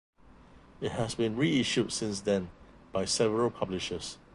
It has been reissued since then by several publishers.